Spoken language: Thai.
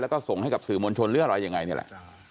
แล้วก็ส่งให้กับสื่อมวลชนหรืออะไรยังไงนี่แหละ